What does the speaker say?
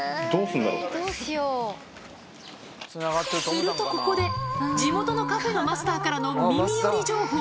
するとここで、地元のカフェのマスターからの耳より情報。